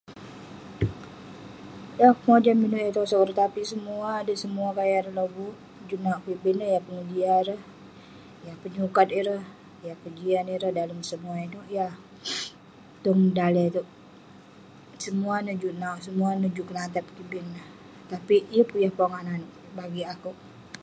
Yeng akouk mojam inouk yah tosog ireh..tapik semua adet, semua gaya ireh lobuk, juk nauk kik..piak yah pengejiak ireh, yah penyukat ireh, yah kejian ireh dalem semua inouk yah tong daleh itouk..semua neh juk nauk, semua neh juk kenatap kik bin neh..tapik yeng pun yah pongah nanouk bagik akouk